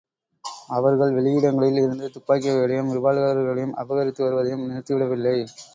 அவர்கள் வெளியிடங்களில் இருந்து துப்பாக்கிகளையும் ரிவால்வர்களையும் அபகரித்து வருவதையும் நிறுத்திவிடவில்லை.